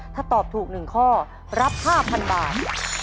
ถ้าตอบถูก๑ข้อรับ๕๐๐๐บาท